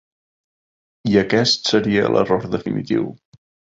I aquest seria l'error definitiu.